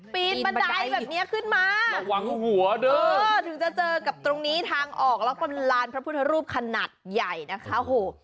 ปีนบันไดแบบนี้ขึ้นมาระวังหัวเด้อถึงจะเจอกับตรงนี้ทางออกแล้วก็เป็นลานพระพุทธรูปขนาดใหญ่นะคะโห